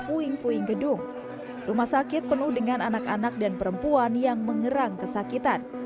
puing puing gedung rumah sakit penuh dengan anak anak dan perempuan yang mengerang kesakitan